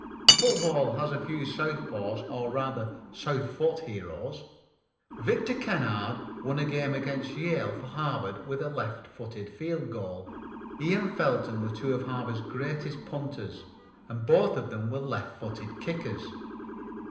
Football has a few southpaw or rather southfoot heroes. Victor Kennard won a game against Yale for Harvard with a leftfooted field goal. He and Felton were two of Harvard's greatest punters, and both of them were leftfooted kickers.